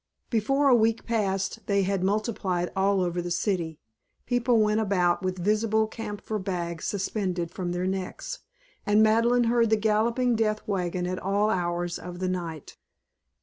Before a week passed they had multiplied all over the city. People went about with visible camphor bags suspended from their necks, and Madeleine heard the galloping death wagon at all hours of the night.